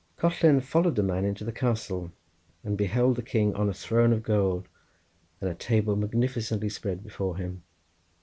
Collen followed the man into the castle, and beheld the king on a throne of gold, and a table magnificently spread before him.